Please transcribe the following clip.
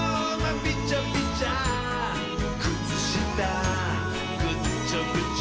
びちゃびちゃくつしたぐちょぐちょ」